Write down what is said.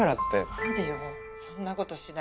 何でよそんなことしない。